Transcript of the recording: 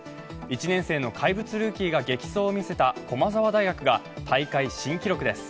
１年生の怪物ルーキーが激走を見せた駒澤大学が大会新記録です。